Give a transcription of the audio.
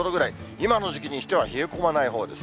今の時期にしては冷え込まないほうです。